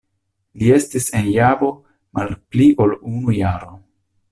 Li estis en Javo mal pli ol unu jaro.